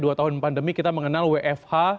dua tahun pandemi kita mengenal wfh